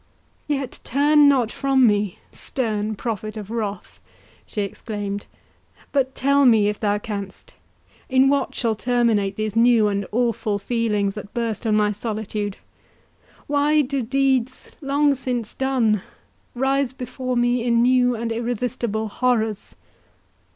"Yet, turn not from me, stern prophet of wrath," she exclaimed, "but tell me, if thou canst, in what shall terminate these new and awful feelings that burst on my solitude—Why do deeds, long since done, rise before me in new and irresistible horrors?